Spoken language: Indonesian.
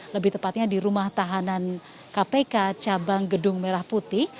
lebih tepatnya di rumah tahanan kpk cabang gedung merah putih